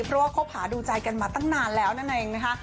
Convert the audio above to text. พาดูใจกันมาตั้งนานแล้วนั่นเองนะฮะ